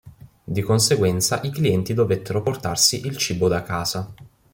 Di conseguenza i clienti dovettero portarsi il cibo da casa.